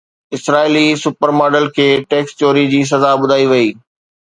اسرائيلي super model کي tax چوري جي سزا ٻڌائي وئي